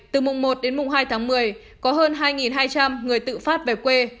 từ mùng một đến mùng hai tháng một mươi có hơn hai hai trăm linh người tự phát về quê